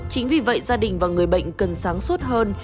chính vì vậy gia đình và người bệnh cần sáng suốt hơn